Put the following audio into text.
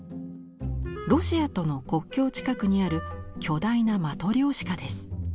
ロシアとの国境近くにある巨大なマトリョーシカです。